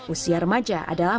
usia remaja adalah masa produktif